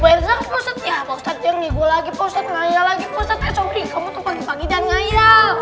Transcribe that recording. bayar zakat ya maksudnya nih gue lagi positnya lagi positnya sobi kamu tuh lagi lagi dan ngair